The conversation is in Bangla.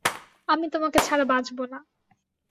আমি তোমাকে ছাড়া বাঁচব না।